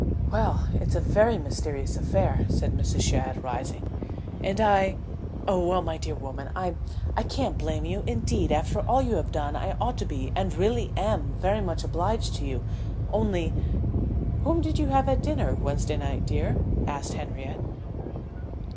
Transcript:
"Well it's a very mysterious affair," said Mrs. Shadd, rising, "and I oh, well, my dear woman, I I can't blame you indeed, after all you have done I ought to be and really am very much obliged to you. Only " "Whom did you have at dinner Wednesday night, dear?" asked Henriette.